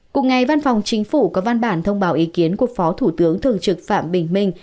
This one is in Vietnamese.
cùng ngày văn phòng chính phủ có văn bản thông báo ý kiến của phó thủ tướng thường trực phạm bình minh